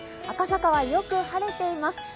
赤坂はよく晴れています。